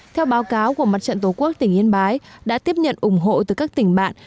theo báo cáo của mặt trận tổ quốc tỉnh yên bái đã tiếp nhận ủng hộ từ các tỉnh bạn